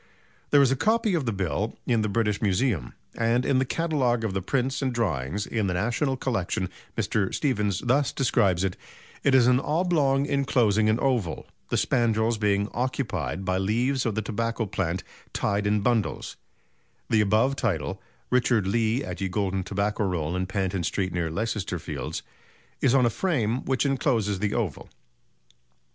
There is a copy of the bill in the British Museum, and in the catalogue of the prints and drawings in the National Collection Mr. Stephens thus describes it: "It is an oblong enclosing an oval, the spandrels being occupied by leaves of the tobacco plant tied in bundles; the above title (Richard Lee at Ye Golden Tobacco Roll in Panton Street near Leicester Fields) is on a frame which encloses the oval.